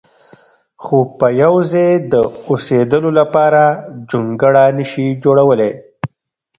خو په یو ځای د اوسېدلو لپاره جونګړه نه شي جوړولی.